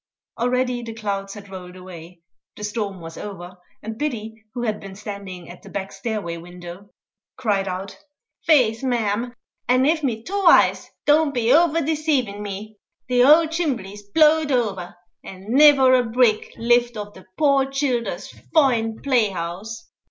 Already the clouds had rolled away; the storm was over; and Biddy, who had been standing at the back stairway window, cried out, "Feth, mem, an' av me two eyes don't be afther desavin' me, the owld chimbley's blowed over, an' niver a brick lift o' the poor childer's foine play house."